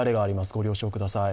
ご了承ください。